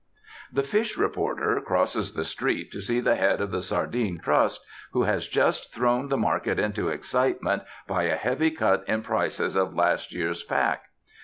The fish reporter crosses the street to see the head of the Sardine Trust, who has just thrown the market into excitement by a heavy cut in prices of last year's pack.